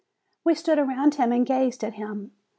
We stood around him and gazed at him.